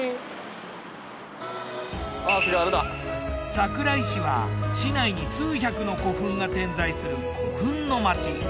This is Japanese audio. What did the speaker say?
桜井市は市内に数百の古墳が点在する古墳の町。